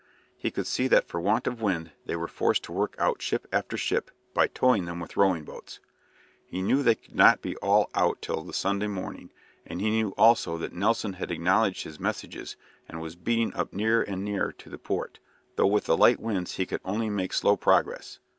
He could see that for want of wind they were forced to work out ship after ship by towing them with rowing boats. He knew they could not be all out till the Sunday morning, and he knew also that Nelson had acknowledged his messages and was beating up nearer and nearer to the port, though with the light winds he could only make slow progress.